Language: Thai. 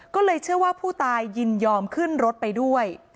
ก็เลยเชื่อว่าผู้ตายยินยอมขึ้นรถไปด้วย